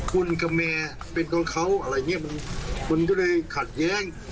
กุญคแมเป็นคนเขาอะไรอย่างนี้มันก็เลยขัดแย้ง